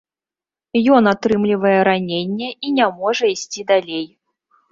Ён атрымлівае раненне і не можа ісці далей.